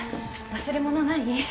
忘れ物ない？